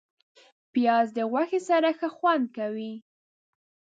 پیاز د غوښې سره ښه خوند کوي